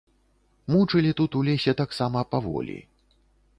Мучылі тут у лесе таксама паволі.